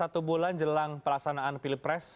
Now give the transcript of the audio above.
ya satu bulan jelang perasanaan pilpres